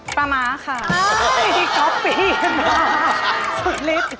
ประมาทสุดลิบ